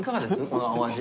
このお味。